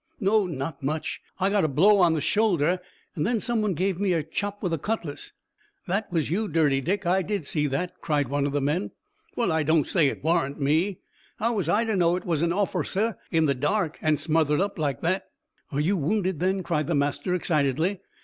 "No, not much. I got a blow on the shoulder, and then some one gave me a chop with a cutlass." "That was you, Dirty Dick! I did see that," cried one of the men. "Well, I don't say it warn't me. How was I to know it was a orsifer in the dark, and smothered up like that?" "Are you wounded, then?" cried the master excitedly.